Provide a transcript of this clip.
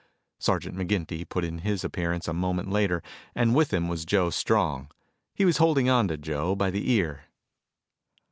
Sergeant McGinty put in his appearance a moment later and with him was Joe Strong. He was holding onto Joe by the ear.